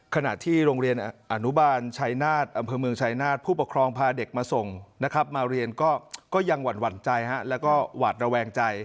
ขณะที่โรงเรียนอนุบาลชัยนาศอำเภอเมืองชายนาฏผู้ปกครองพาเด็กมาส่งนะครับมาเรียนก็ยังหวั่นใจแล้วก็หวาดระแวงใจ